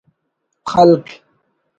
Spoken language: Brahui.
خلق